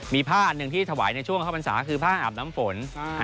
มีผ้าอันหนึ่งที่ถวายในช่วงเข้าพรรษาคือผ้าอาบน้ำฝน